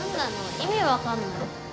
意味分かんない。